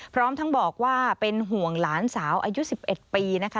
พร้อมทั้งบอกว่าเป็นห่วงหลานสาวอายุ๑๑ปีนะคะ